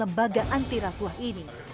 pemegang lembaga anti rasuah ini